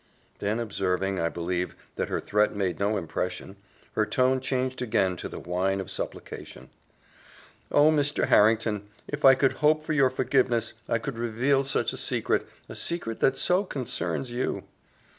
Then observing, I believe, that her threat made no impression, her tone changed again to the whine of supplication. "Oh, Mr. Harrington, if I could hope for your forgiveness, I could reveal such a secret a secret that so concerns you!"